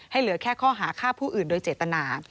เหลือแค่ข้อหาฆ่าผู้อื่นโดยเจตนา